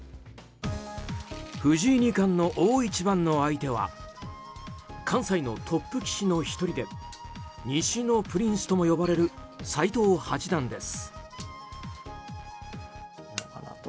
藤井二冠の大一番の相手は関西のトップ棋士の１人で西のプリンスとも呼ばれる斎藤八段です。